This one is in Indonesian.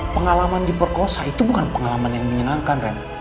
pengalaman diperkosa itu bukan pengalaman yang menyenangkan ren